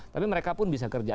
tapi mereka pun bisa kerja